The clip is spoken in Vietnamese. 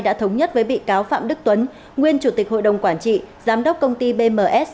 đã thống nhất với bị cáo phạm đức tuấn nguyên chủ tịch hội đồng quản trị giám đốc công ty bms